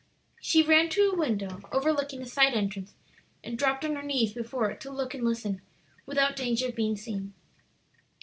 She ran to a window overlooking a side entrance, and dropped on her knees before it to look and listen without danger of being seen.